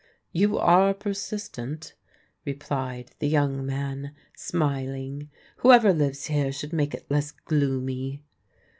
" You are persistent," replied the young man, smil ing. "Whoever lives here should make it less gloomy."